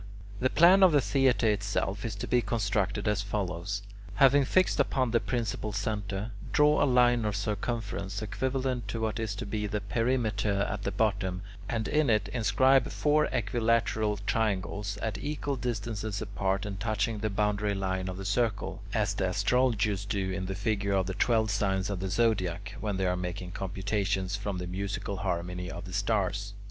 The plan of the theatre itself is to be constructed as follows. Having fixed upon the principal centre, draw a line of circumference equivalent to what is to be the perimeter at the bottom, and in it inscribe four equilateral triangles, at equal distances apart and touching the boundary line of the circle, as the astrologers do in a figure of the twelve signs of the zodiac, when they are making computations from the musical harmony of the stars.